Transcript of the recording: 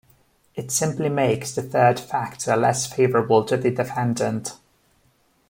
It simply makes the third factor less favorable to the defendant.